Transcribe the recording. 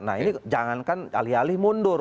nah ini jangankan alih alih mundur